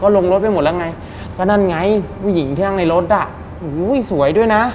ลงรถไปหมดแล้วไงก็นั่นไงผู้หญิงที่นั่งในรถอ่ะโอ้โหสวยด้วยนะ